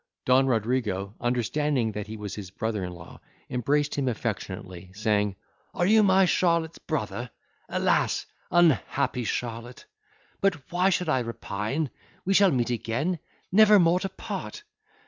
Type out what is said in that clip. Don Rodrigo, understanding that he was his brother in law, embraced him affectionately, saying, "Are you my Charlotte's brother? Alas! unhappy Charlotte! but why should I repine? we shall meet again, never more to part!